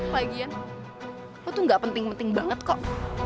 lagian lo tuh gak penting penting banget kok